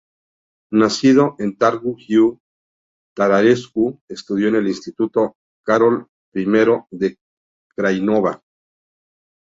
Nacido en Târgu Jiu, Tătărescu estudió en el Instituto Carol I de Craiova.